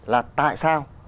là tại sao